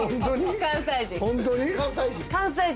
関西人。